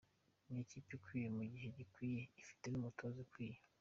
Ni ikipe ikwiye mu gihe gikwiye, ifite n'umutoza ukwiye.